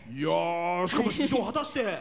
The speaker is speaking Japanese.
しかも、出場果たして。